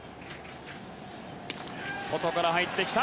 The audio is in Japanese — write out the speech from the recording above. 外から入ってきた。